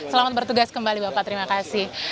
selamat bertugas kembali bapak terima kasih